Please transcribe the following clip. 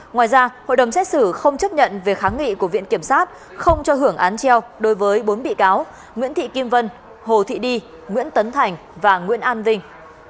ngoài ra hội đồng xét xử không chấp nhận về kháng nghị của viện kiểm sát không cho hưởng án treo đối với bốn bị cáo nguyễn thị kim vân hồ thị đi nguyễn tấn thành và nguyễn an vinh